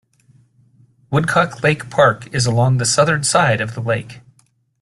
Woodcock Lake Park is along the southern side of the lake.